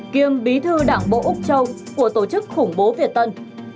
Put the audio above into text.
kiêm bí thư đảng bộ úc châu của tổ chức khủng bố việt tân